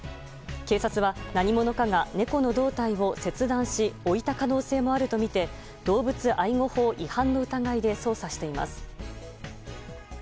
警察は何者かが猫の胴体を切断し置いた可能性もあるとみて動物愛護法違反の疑いで捜査しています。